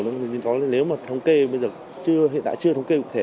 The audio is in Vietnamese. nếu mà thống kê bây giờ hiện tại chưa thống kê cụ thể